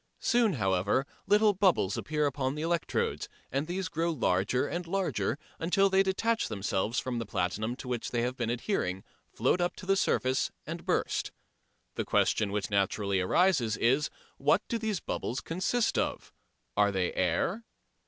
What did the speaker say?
Soon, however, little bubbles appear upon the electrodes, and these grow larger and larger, until they detach themselves from the platinum to which they have been adhering, float up to the surface and burst. The question which naturally arises is, What do those bubbles consist of? Are they air?